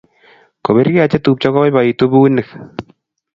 Kobirgei chetupcho kibaibaitu buniik